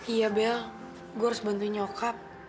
iya bel gue harus bantu nyokap